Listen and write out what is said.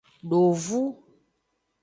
Dovu.